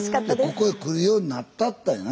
ここへ来るようになったったんやな